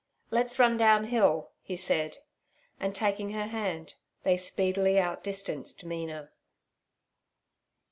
'Let's run downhill' he said; and taking her hand, they speedily outdistanced Mina.